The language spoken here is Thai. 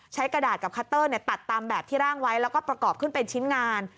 กระดาษกับคัตเตอร์ตัดตามแบบที่ร่างไว้แล้วก็ประกอบขึ้นเป็นชิ้นงาน